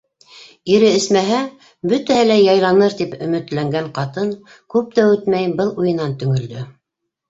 Ире эсмәһә, бөтәһе лә яйланыр, тип өмөтләнгән ҡатын күп тә үтмәй был уйынан төңөлдө.